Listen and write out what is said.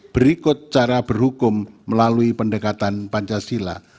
berikut cara berhukum melalui pendekatan pancasila